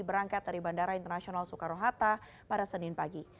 berangkat dari bandara internasional soekarohata pada senin pagi